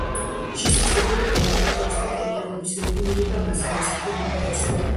შესაძლებელია ტემპერატურისა და ტენიანობის რეგულირება მასალის მთელ მოცულობაში.